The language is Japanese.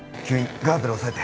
ガーゼで押さえて。